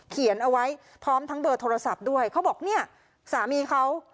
เขียนเอาไว้พร้อมทั้งเบอร์โทรศัพท์ด้วยเขาบอกเนี่ยสามีเขา